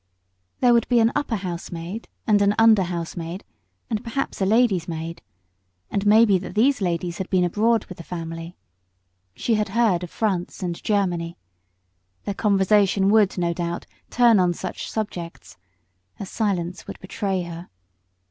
There would be an upper housemaid and an under housemaid, and perhaps a lady's maid, and maybe that these ladies had been abroad with the family. She had heard of France and Germany. Their conversation would, no doubt, turn on such subjects. Her silence would betray her.